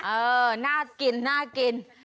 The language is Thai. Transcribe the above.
เออน่ากินน่ากิน